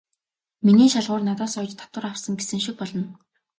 Миний шалгуур надаас оёж татвар авсан" гэсэн шиг болно.